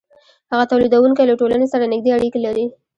هغه تولیدونکی له ټولنې سره نږدې اړیکې لري